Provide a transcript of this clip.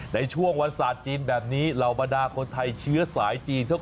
ในช่วงวันศาสตร์จีนแบบนี้เหล่าบรรดาคนไทยเชื้อสายจีน